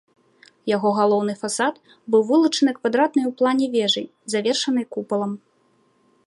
Яго галоўны фасад быў вылучаны квадратнай у плане вежай, завершанай купалам.